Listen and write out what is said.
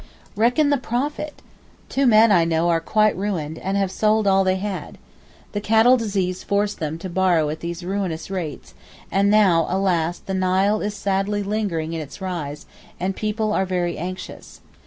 Reckon the profit! Two men I know are quite ruined, and have sold all they had. The cattle disease forced them to borrow at these ruinous rates, and now alas, the Nile is sadly lingering in its rise, and people are very anxious.